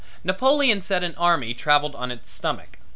Napoleon said an army traveled on its stomach.